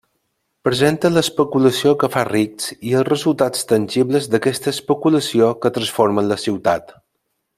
Presenta l'especulació que fa rics i els resultats tangibles d'aquesta especulació que transformen la ciutat.